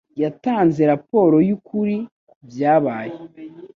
Yatanze raporo yukuri kubyabaye.